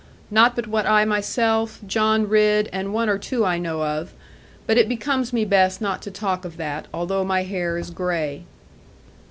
Not but what I myself, John Ridd, and one or two I know of but it becomes me best not to talk of that, although my hair is gray.